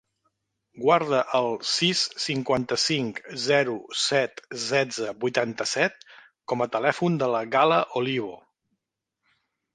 Guarda el sis, cinquanta-cinc, zero, set, setze, vuitanta-set com a telèfon de la Gala Olivo.